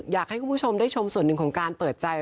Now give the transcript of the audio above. อยากให้คุณผู้ชมได้ชมส่วนหนึ่งของการเปิดใจ